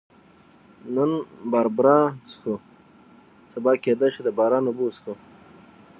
نن باربرا څښو، سبا کېدای شي د باران اوبه وڅښو.